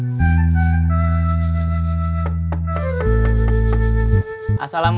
ibu bagaimana sih matanya